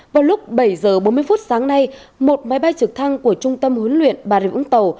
vào lúc bảy h bốn mươi phút sáng nay một máy bay trực thăng của trung tâm huấn luyện bà rịa vũng tàu